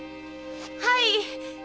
はい！